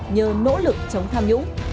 nhờ nỗ lực chống tham nhũng